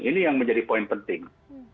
ini yang menjadi poin penting